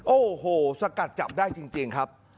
โอ้โหสกัดจับได้จริงครับ